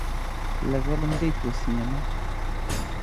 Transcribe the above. لەگەڵم دێیت بۆ سینەما؟